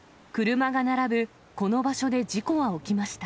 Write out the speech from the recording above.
車が並ぶこの場所で事故は起きました。